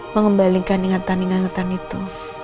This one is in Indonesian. mengembalikan ingatan ingatan itu